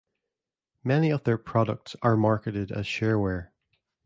Many of their products are marketed as shareware.